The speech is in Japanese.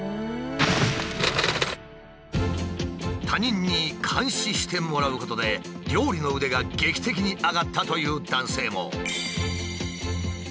他人に監視してもらうことで料理の腕が劇的に上がったという男性も。